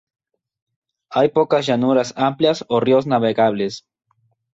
Hay pocas llanuras amplias o ríos navegables.